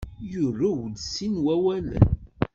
Yurew-d sin n wawalen.